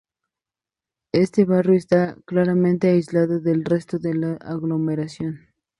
Este barrio está claramente aislado del resto de la aglomeración.